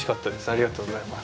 ありがとうございます。